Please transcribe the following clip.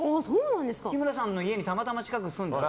日村さんの家にたまたま近くに住んでて。